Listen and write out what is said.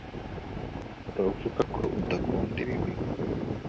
uravuga ko udakunda ibi